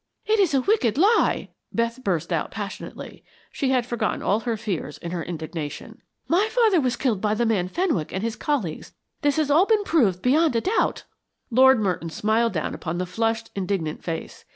"It is a wicked lie," Beth burst out, passionately. She had forgotten all her fears in her indignation. "My father was killed by the man Fenwick and his colleagues. That has all been proved beyond a doubt!" Lord Merton smiled down upon the flushed, indignant face.